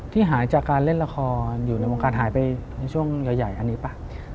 ที่หายจากการเล่นละครหายไปช่วงใหญ่อันนี้ป่ะ